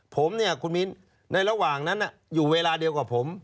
ผมเนี่ยคุณมิ้นในระหว่างนั้นอยู่เวลาเดียวกับผม